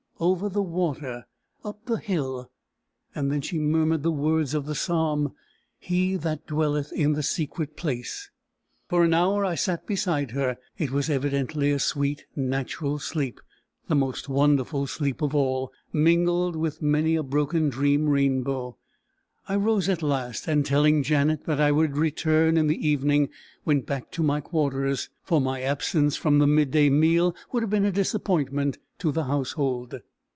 Over the water. Up the hill." And then she murmured the words of the psalm: "He that dwelleth in the secret place." For an hour I sat beside her. It was evidently a sweet, natural sleep, the most wonderful sleep of all, mingled with many a broken dream rainbow. I rose at last, and, telling Janet that I would return in the evening, went back to my quarters; for my absence from the mid day meal would have been a disappointment to the household.